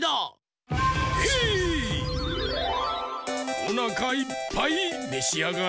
おなかいっぱいめしあがれ！